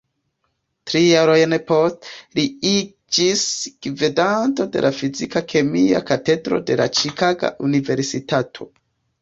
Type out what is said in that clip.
Tri jarojn poste, li iĝis gvidanto de la fizika-kemia katedro de la Ĉikaga Universitato.